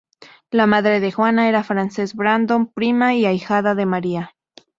La madre de Juana era Frances Brandon, prima y ahijada de María.